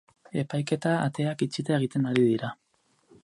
Epaiketa ateak itxita egiten ari dira.